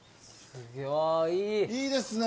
いいですね。